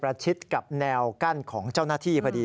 พระบุว่าจะมารับคนให้เดินทางเข้าไปในวัดพระธรรมกาลนะคะ